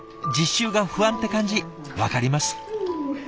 実習が不安って感じ分かります。